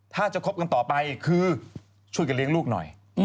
ถ้าจะคบกันต่อไปคือช่วยกันเลี้ยงลูกหน่อย